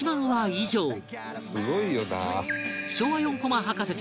「すごいよな」